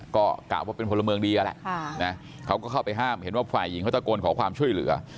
ก็กะว่าเป็นพลเมืองดีนั่นแหละเขาก็เข้าไปห้ามเห็นว่าฝ่ายหญิงเขาตะโกนขอความช่วยเหลือ